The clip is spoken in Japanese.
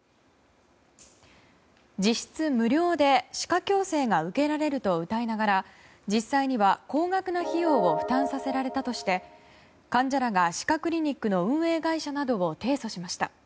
実質無料で歯科矯正が受けられるとうたいながら実際には高額な費用を負担させられたとして患者らが、歯科クリニックの運営会社などを提訴しました。